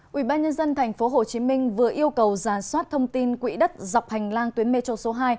quỹ ban nhân dân tp hcm vừa yêu cầu giả soát thông tin quỹ đất dọc hành lang tuyến metro số hai